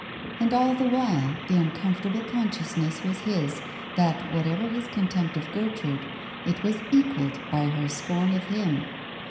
And all the while, the uncomfortable consciousness was his, that whatever his contempt of Gertrude, it was equalled by her scorn of him.